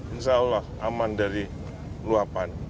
insya allah aman dari luapan